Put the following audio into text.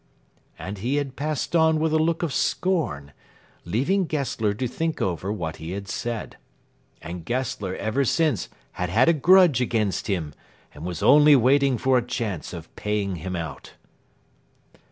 And he had passed on with a look of scorn, leaving Gessler to think over what he had said. And Gessler ever since had had a grudge against him, and was only waiting for a chance of paying him out.